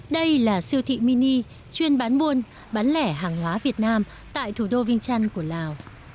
đây là siêu thị mini chuyên bán buôn bán lẻ hàng hóa việt nam tại thủ đô vinh chăn của lào